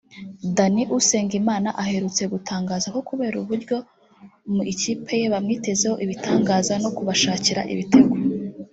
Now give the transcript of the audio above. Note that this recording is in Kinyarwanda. Danny Usengimana aherutse gutangaza ko kubera uburyo mu ikipe ye bamwitezeho ibitangaza no kubashakira ibitego